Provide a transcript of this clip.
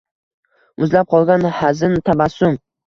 muzlab qolgan hazin tabassum